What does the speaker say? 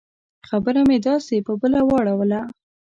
خبره مې داسې په بله واړوله.